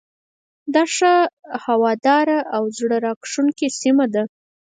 دا ښه هواداره او زړه راکښونکې سیمه ده.